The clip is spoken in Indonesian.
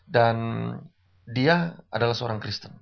dan dia adalah seorang kristen